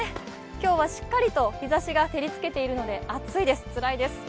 今日はしっかりと日ざしが照りつけているので暑いです、つらいです。